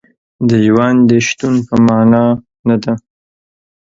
د ژوند د شتون په معنا نه دی.